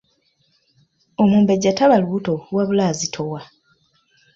Omumbejja taba lubuto wabula azitowa.